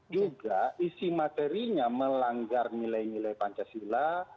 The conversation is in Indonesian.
juga isi materinya melanggar nilai nilai pancasila